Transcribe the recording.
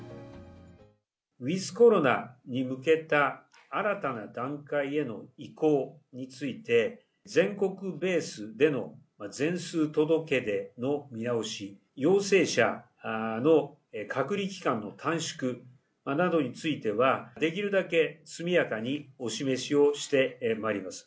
ウィズコロナに向けた新たな段階への移行について、全国ベースでの全数届け出の見直し、陽性者の隔離期間の短縮などについては、できるだけ速やかにお示しをしてまいります。